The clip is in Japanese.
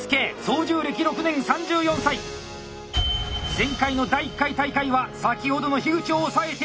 前回の第１回大会は先ほどの口を抑えて優勝！